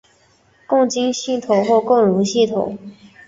共晶系统或共熔系统。